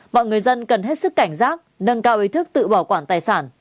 mọi người dân cần hết sức cảnh giác nâng cao ý thức tự bảo quản tài sản